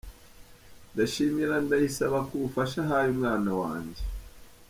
Ndashimira Ndayisaba ku bufasha ahaye umwana wanjye.